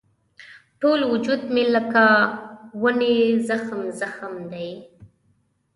ټول وجود مې لکه ونې زخم زخم دی.